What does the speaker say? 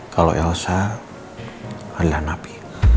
kalau elsa adalah nabi